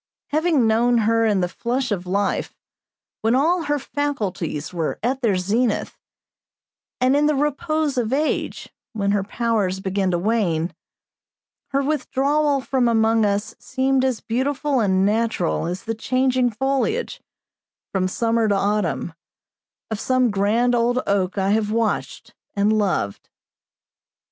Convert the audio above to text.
Having known her in the flush of life, when all her faculties were at their zenith, and in the repose of age, when her powers began to wane, her withdrawal from among us seemed as beautiful and natural as the changing foliage, from summer to autumn, of some grand old oak I have watched and loved.